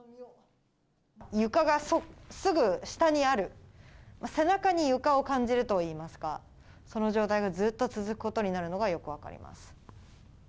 床がすぐ下にある、背中に床を感じるといいますか、その状態がずっと続くことになるのがよく分かります。